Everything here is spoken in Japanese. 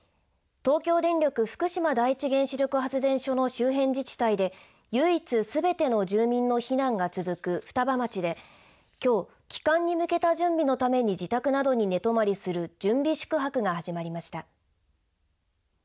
東京電力福島第一原子力発電所の周辺自治体で唯一すべての住民の避難が続く双葉町で、きょう帰還に向けた準備のために自宅などに寝泊りする準備宿泊が始まりました。